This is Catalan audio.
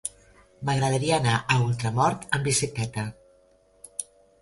M'agradaria anar a Ultramort amb bicicleta.